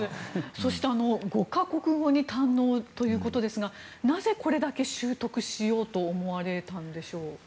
そして、５か国語が堪能ということですがなぜこれだけ習得しようと思われたんですか。